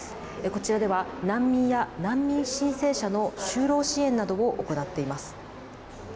こちらでは、難民や難民申請者の就労支援などを行っています。